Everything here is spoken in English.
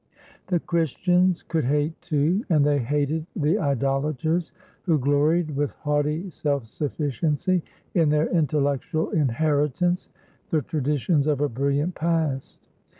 The Christians could hate, too, and they hated the idolaters who gloried with haughty self sufficiency in their intellectual inheritance ; the traditions of a brilliant past.